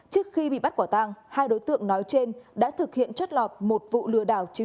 trước khi bị bắt quả tang hai đối tượng nói trên đã thực hiện chất lọt một vụ lừa đảo chiếm